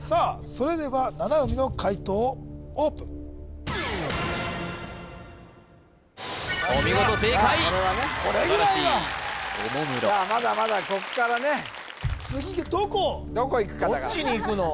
それでは七海の解答をオープンお見事正解素晴らしいおもむろまだまだこっからね次どこをどこいくかだからどっちにいくの？